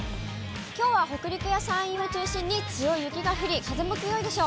きょうは北陸や山陰を中心に強い雪が降り、風も強いでしょう。